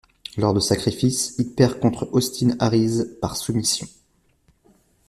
Lors de Sacrifice, il perd contre Austin Aries par soumission.